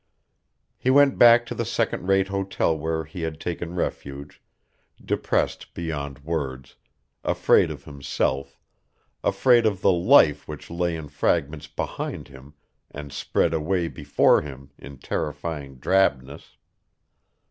He went back to the second rate hotel where he had taken refuge, depressed beyond words, afraid of himself, afraid of the life which lay in fragments behind him and spread away before him in terrifying drabness.